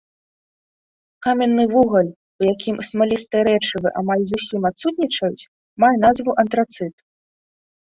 Каменны вугаль у якім смалістыя рэчывы амаль зусім адсутнічаюць, мае назву антрацыт.